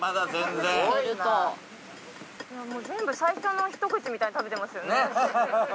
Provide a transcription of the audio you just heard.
全部最初の一口みたいに食べてますよね。